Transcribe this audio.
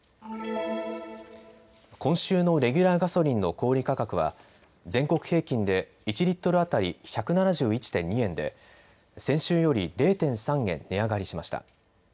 今週のレギュラーガソリンの小売価格は全国平均で１リットル当たり１７１．２円で先週より０．３円値上がりしました。